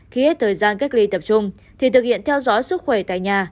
khi hết thời gian cách ly tập trung thì thực hiện theo dõi sức khỏe tại nhà